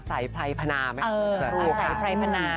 สายไพรพนา